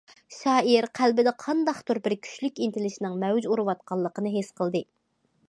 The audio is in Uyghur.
شائىر قەلبىدە قانداقتۇر بىر كۈچلۈك ئىنتىلىشنىڭ مەۋج ئۇرۇۋاتقانلىقىنى ھېس قىلدى.